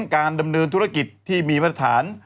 การดำเนินธุรกิจที่มีมาตรฐาน